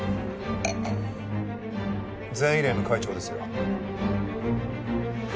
全医連の会長ですよ。